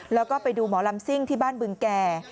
แล้วก็ไปดูหมอลำซิ่งที่บ้านบึงแก่